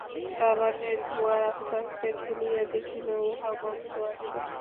দালানের দুয়ার আস্তে আস্তে ঠেলিয়া দেখিল উহা বন্ধ আছে।